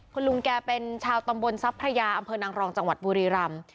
คุณลุงแกเป็นชาวตำบลทรัพพระยาอำเภอนางรองจังหวัดบุรีรำ